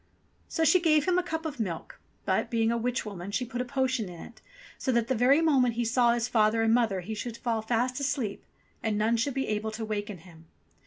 So she gave him a cup of milk ; but, being a witch woman, she put a potion to it so that the very moment he saw his father and mother he should fall fast asleep, and none should be able to waken him.